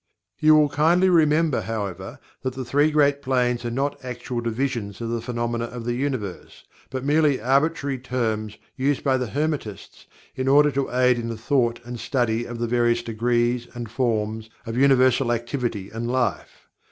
You will kindly remember, however, that the Three Great Planes are not actual divisions of the phenomena of the Universe, but merely arbitrary terms used by the Hermetists in order to aid in the thought and study of the various degrees and Forms of universal activity and life.